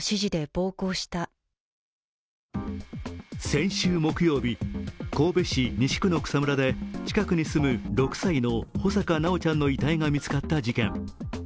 先週木曜日、神戸市西区の草むらで、近くに住む６歳の穂坂修ちゃんの遺体が見つかった事件。